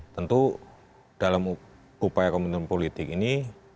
tentu dalam upaya komitmen politik ini